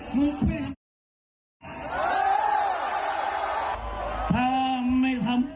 คนที่เขาอยากฟัง